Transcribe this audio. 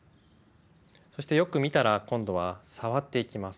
そしてよく見たら今度は触っていきます。